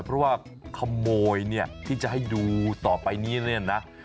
เพราะว่าขโมยเนี่ยที่จะให้ดูต่อไปนี้เนี่ยนะ